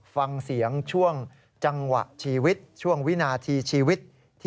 ฟังเสียงช่วงจังหวะชีวิตช่วงวินาทีชีวิต